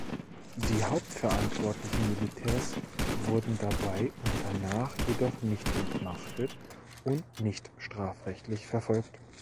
Die hauptverantwortlichen Militärs wurden dabei und danach jedoch nicht entmachtet und nicht strafrechtlich verfolgt.